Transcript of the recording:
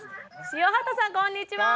塩畑さんこんにちは。